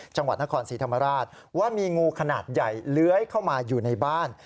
จังหวัดนครศรีธรรมราชว่ามีงูขนาดใหญ่เลื้อยเข้ามาอยู่ในบ้าน